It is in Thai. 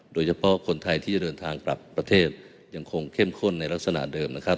โดยเฉพาะคนไทยที่จะเดินทางกลับประเทศยังคงเข้มข้นในลักษณะเดิมนะครับ